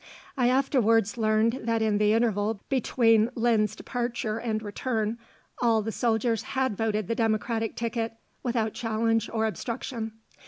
I afterwards learned that in the interval between Lynd's departure and return, all the soldiers had voted the Democratic ticket without challenge or obstruction.